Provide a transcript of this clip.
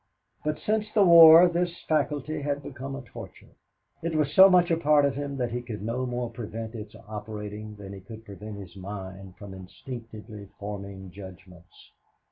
But since the war this faculty had become a torture. It was so much a part of him that he could no more prevent its operating than he could prevent his mind from instinctively forming judgments.